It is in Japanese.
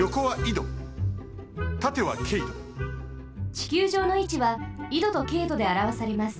ちきゅうじょうのいちは緯度と経度であらわされます。